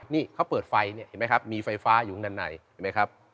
นี่เขาเปิดไฟเนี่ยเห็นไหมครับมีไฟฟ้าอยู่ข้างด้านในเห็นไหมครับ